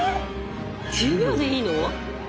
１０秒でいいの？